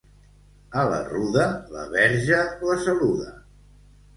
A la ruda, la Verge la saluda.